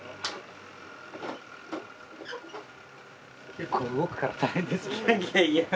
結構動くから大変ですね。